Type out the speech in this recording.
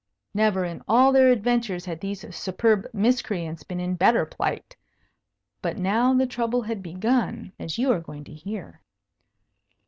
Never in all their adventures had these superb miscreants been in better plight; but now the trouble had begun, as you are going to hear.